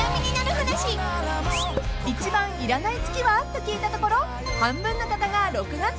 ［一番いらない月は？と聞いたところ半分の方が６月と回答］